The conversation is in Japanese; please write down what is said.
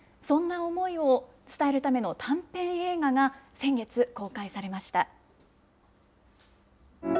そんな思いを伝えるための短編映画が先月、公開されました。